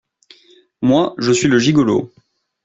Moi, je suis le gigolo !